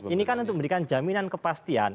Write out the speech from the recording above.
ini kan untuk memberikan jaminan kepastian